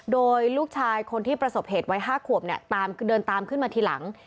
โดยลูกชายคนที่ประสบเหตุวัย๕ขวบเนี่ยเดินตามขึ้นมาทีหลัง